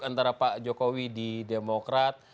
antara pak jokowi di demokrat